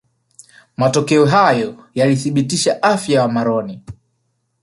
Matokeo hayo yalithibitisha afya ya Wamoran